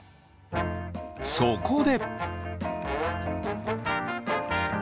そこで！